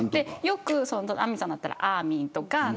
亜美さんだったらアーミーとか。